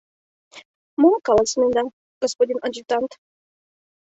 — Мом каласынеда, господин адъютант?